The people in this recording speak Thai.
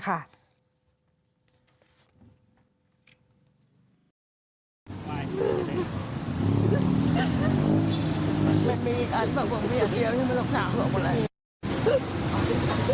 ขอแสดงความเสียจริง